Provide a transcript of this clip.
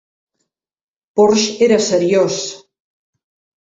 Porsche era seriós.